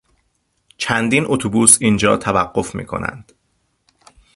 چندین اتوبوس اینجا توقف میکنند.